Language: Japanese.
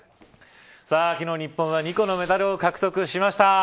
昨日、日本は２個のメダルを獲得しました。